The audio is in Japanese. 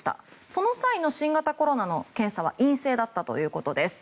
その際の新型コロナの検査は陰性だったということです。